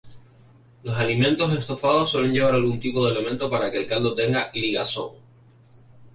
Los alimentos estofados suelen llevar algún elemento para que el caldo tenga "ligazón".